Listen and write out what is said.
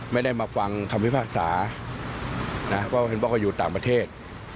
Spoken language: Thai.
ไม่ได้มาฟังคำพิพากษานะเพราะเห็นบอกว่าอยู่ต่างประเทศ